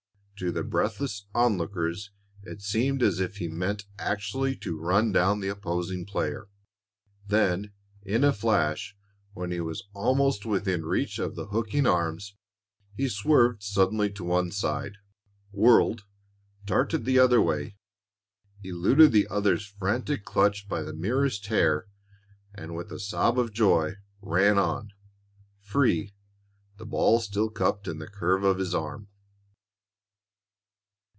To the breathless onlookers it seemed as if he meant actually to run down the opposing player. Then, in a flash, when he was almost within reach of the hooking arms, he swerved suddenly to one side, whirled, darted the other way, eluded the other's frantic clutch by the merest hair, and with a sob of joy ran on, free, the ball still cupped in the curve of his arm.